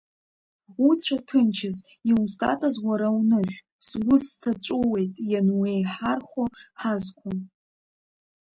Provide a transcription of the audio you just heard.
Уцәа ҭынчыз, иузтатаз уара унышә, сгәы сҭаҵәуеит иануеиҳархо ҳазқәа…